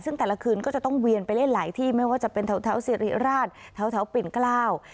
ซึ่งแต่ละคืนก็จะต้องเวียนไปเล่นหลายที่ไม่ว่าจะเป็นแถวสิริราชแถวปิ่นเกล้า